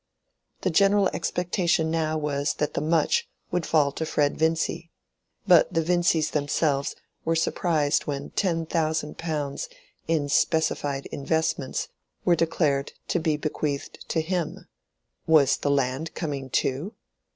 The general expectation now was that the "much" would fall to Fred Vincy, but the Vincys themselves were surprised when ten thousand pounds in specified investments were declared to be bequeathed to him:—was the land coming too?